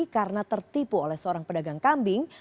karena tertipu oleh seorang pedagang kambing